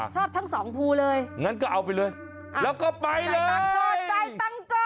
ทั้งสองภูเลยงั้นก็เอาไปเลยแล้วก็ไปเลยตั้งก่อนจ่ายตังค์ก่อน